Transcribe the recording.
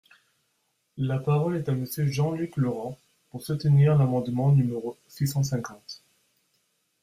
La parole est à Monsieur Jean-Luc Laurent, pour soutenir l’amendement numéro six cent cinquante.